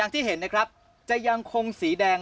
ที่เห็นนะครับจะยังคงสีแดง